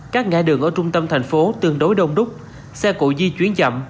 các ngã đường ở trung tâm thành phố tương đối đông đúc xe cụ di chuyển chậm